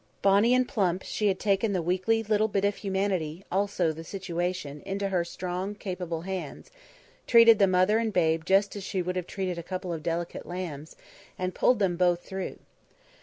Bonny and plump, she had taken the weakly little bit of humanity, also the situation, into her strong, capable hands; treated the mother and babe just as she would have treated a couple of delicate lambs, and pulled them both through.